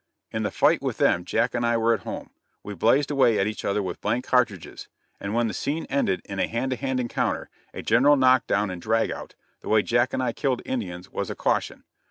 In the fight with them, Jack and I were at home. We blazed away at each other with blank cartridges; and when the scene ended in a hand to hand encounter a general knock down and drag out the way Jack and I killed Indians was "a caution."